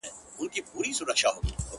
چي تندي كي دي سجدې ورته ساتلې-